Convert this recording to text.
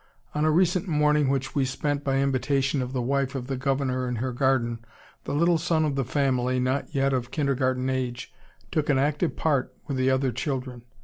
On a recent morning, which we spent by invitation of the wife of the Governor in her garden, the little son of the family, not yet of kindergarten age, took an active part with the other children.